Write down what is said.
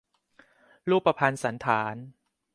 รูปพรรณสัณฐาน